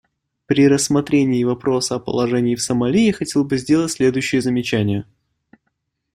При рассмотрении вопроса о положении в Сомали я хотел бы сделать следующие замечания.